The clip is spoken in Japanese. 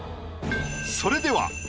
それでは。